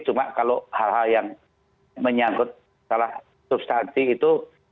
cuma kalau hal hal yang menyangkut salah substansi itu